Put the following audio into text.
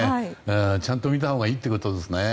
ちゃんと見たほうがいいってことですね。